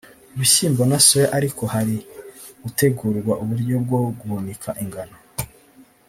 ibishyimbo na soya ariko hari gutegurwa uburyo bwo guhunika ingano